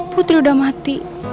putri udah mati